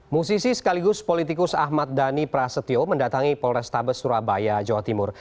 musisi sekaligus politikus ahmad dhani prasetyo mendatangi polrestabes surabaya jawa timur